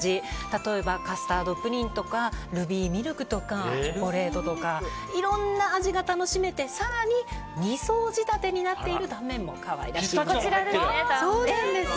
例えば、カスタードプリンとかルビーミルクとかチョコレートとかいろんな味が楽しめて更に、２層仕立てになっていて断面も可愛らしいんです。